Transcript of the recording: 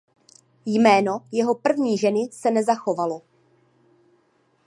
Jméno jeho první ženy se nezachovalo.